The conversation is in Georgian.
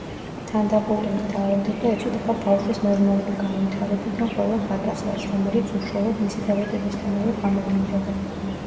თანდაყოლილი დაავადება ეწოდება ბავშვის ნორმალური განვითარებიდან ყველა გადახრას, რომელიც უშუალოდ მისი დაბადებისთანავე გამოვლინდება.